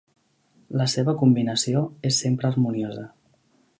La seva combinació és sempre harmoniosa.